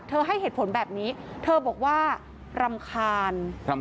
ให้เหตุผลแบบนี้เธอบอกว่ารำคาญ